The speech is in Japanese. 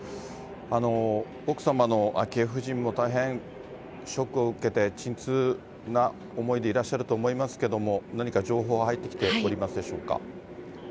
奥様の昭恵夫人も大変ショックを受けて、沈痛な思いでいらっしゃると思いますけれども、何か情報は入ってきておりますでしょうか。